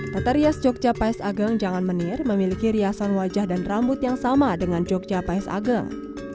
tata rias jogja pais ageng jangan menir memiliki riasan wajah dan rambut yang sama dengan jogja pais ageng